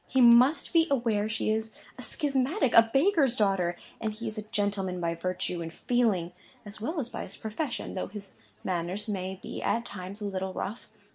He must be aware she is a schismatic; a baker's daughter; and he is a gentleman by virtue and feeling, as well as by his profession, though his manners may be at times a little rough.